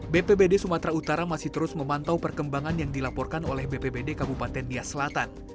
bpbd sumatera utara masih terus memantau perkembangan yang dilaporkan oleh bpbd kabupaten nias selatan